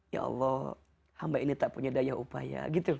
ya allah hamba ini tak punya daya upaya